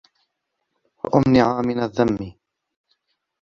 وَأَمْنَعُ مِنْ الذَّمِّ